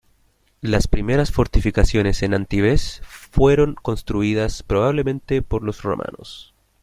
Las primeras fortificaciones en Antibes fueron construidas probablemente por los romanos.